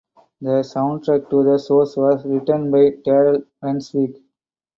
The soundtrack to the show was written by Daryl Runswick.